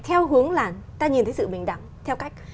theo hướng là ta nhìn thấy sự bình đẳng theo cách